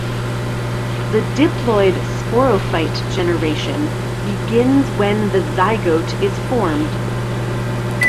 The diploid sporophyte generation begins when the zygote is formed.